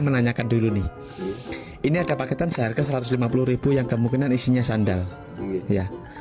menanyakan dulu nih ini ada paketan seharga satu ratus lima puluh yang kemungkinan isinya sandal ya